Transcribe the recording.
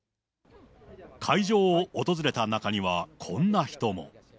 会場を訪れた中には、こんな人も。